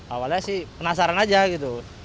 awalnya sih penasaran aja gitu